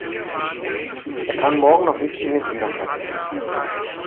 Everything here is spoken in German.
Er kann morgen noch nicht in den Kindergarten.